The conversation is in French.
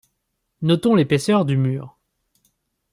Notons l'épaisseur du mur.